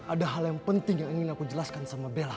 ada hal yang penting yang ingin aku jelaskan sama bella